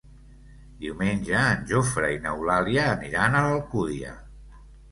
Diumenge en Jofre i n'Eulàlia aniran a l'Alcúdia.